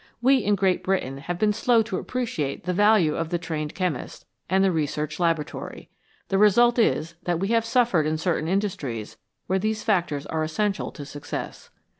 We in Great Britain have been slow to appreciate the value of the trained chemist and the research laboratory ; the result is that we have suffered in certain industries where these factors are essential to success.